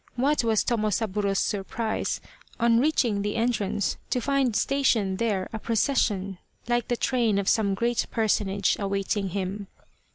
What was Tomosaburo's surprise on reaching the entrance to find stationed there a procession, like the train of some great personage, awaiting him.